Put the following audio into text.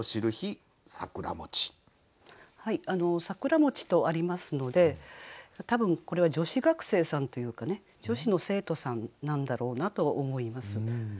「さくらもち」とありますので多分これは女子学生さんというかね女子の生徒さんなんだろうなと思います。